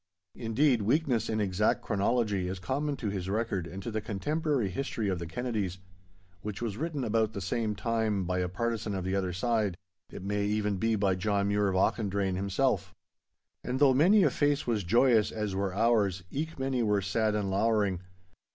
Indeed, weakness in exact chronology is common to his record and to the contemporary Historie of the Kennedies, which was written about the same time by a partisan of the other side—it may even be by John Mure of Auchendrayne himself. And though many a face was joyous as were ours, eke many were sad and lowering.